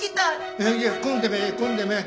いや来んでもええ来んでもええ。